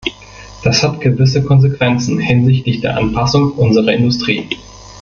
Das hat gewisse Konsequenzen hinsichtlich der Anpassung unserer Industrie.